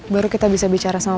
baru kita bisa bicara sama